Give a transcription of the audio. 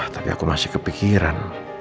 tapi aku masih kepikiran